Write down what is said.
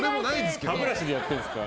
歯ブラシでやってるんですか？